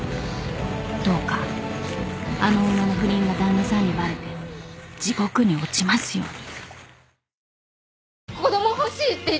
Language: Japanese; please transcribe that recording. ［どうかあの女の不倫が旦那さんにバレて地獄に落ちますように］